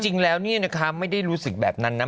จริงแล้วนี่นะคะไม่ได้รู้สึกแบบนั้นนะ